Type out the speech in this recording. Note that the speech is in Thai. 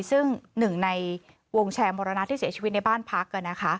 ซึ่งหนึ่งในวงแชร์มรณะที่เสียชีวิตในบ้านพัก